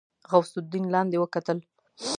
غوث الدين لاندې وکتل.